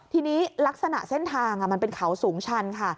ทีนี้ลักษณะเส้นทางมันเป็นเขาสูงชันค่ะ